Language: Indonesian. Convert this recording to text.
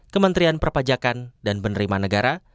kementerian perpajakan dan penerimaan negara